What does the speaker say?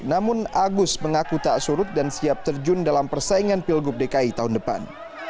namun agus mengaku tak surut dan siap terjun dalam persaingan pilgub dki tahun depan